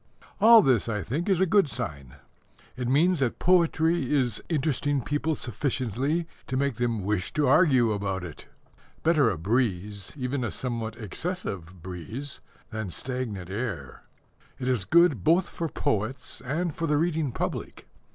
All this, I think, is a good sign. It means that poetry is interesting people sufficiently to make them wish to argue about it. Better a breeze even a somewhat excessive breeze than stagnant air. It is good both for poets and for the reading public.